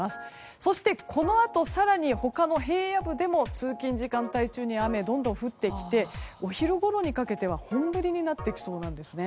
そしてこのあと更に他の平野部でも通勤時間帯中に雨がどんどん降ってきてお昼ごろには本降りになってきそうです。